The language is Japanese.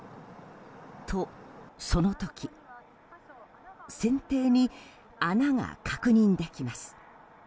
と、その時船底に穴が確認できます。